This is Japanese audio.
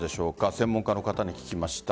専門家の方に聞きました。